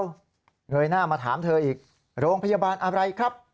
เงยหน้ามาถามเธออีกโรงพยาบาลอะไรครับ